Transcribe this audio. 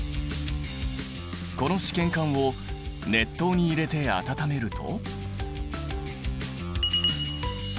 この試験管を熱湯に入れて温めると。